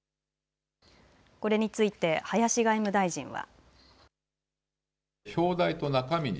これについて林外務大臣は。